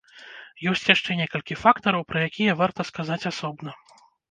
Ёсць яшчэ некалькі фактараў, пра якія варта сказаць асобна.